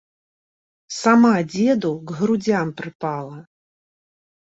Сама дзеду к грудзям прыпала.